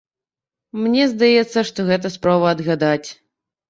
Мне здаецца, што гэта спроба адгадаць.